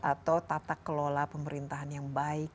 atau tata kelola pemerintahan yang baik